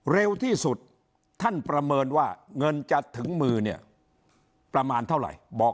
เร็วที่สุดท่านประเมินว่าเงินจะถึงมือเนี่ยประมาณเท่าไหร่บอก